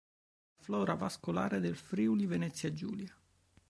La flora vascolare del Friuli Venezia Giulia.